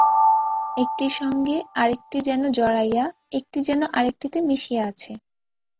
একটির সঙ্গে আর একটি যেন জড়াইয়া, একটি যেন আর একটিতে মিশিয়া আছে।